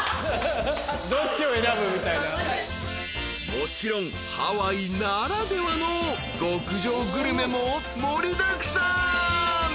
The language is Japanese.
［もちろんハワイならではの極上グルメも盛りだくさん］